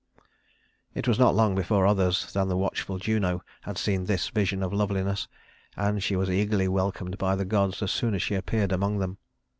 It was not long before others than the watchful Juno had seen this vision of loveliness, and she was eagerly welcomed by the gods as soon as she appeared among them.